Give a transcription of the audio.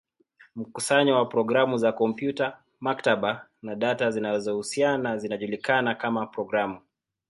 Mkusanyo wa programu za kompyuta, maktaba, na data zinazohusiana zinajulikana kama programu.